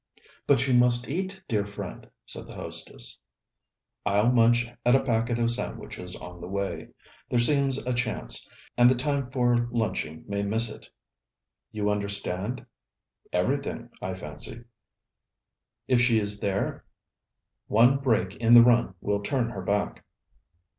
'But you must eat, dear friend,' said the hostess. 'I'll munch at a packet of sandwiches on the way. There seems a chance, and the time for lunching may miss it.' 'You understand...?' 'Everything, I fancy.' 'If she is there!' 'One break in the run will turn her back.'